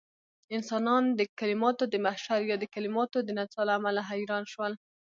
انسانان د کليماتو د محشر يا د کليماتو د نڅاه له امله حيران شول.